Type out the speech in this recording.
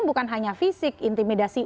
bukan hanya fisik intimidasi